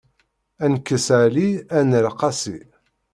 Ad nekkes Ɛli, ad nerr Qasi.